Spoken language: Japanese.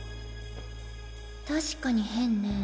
確かに変ね